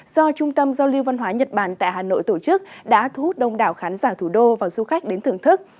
do trung tâm giao lưu văn hóa nhật bản tại hà nội tổ chức đã thu hút đông đảo khán giả thủ đô và du khách đến thưởng thức